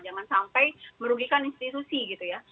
jangan sampai merugikan institusi gitu ya